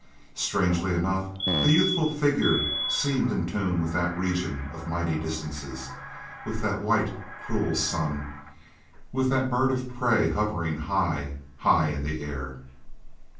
Strangely enough, the youthful figure seemed in tune with that region of mighty distances, with that white, cruel sun, with that bird of prey hovering high, high in the air.